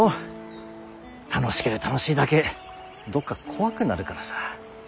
楽しけりゃ楽しいだけどっか怖くなるからさ。